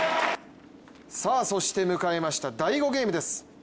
そして迎えました第５ゲームです。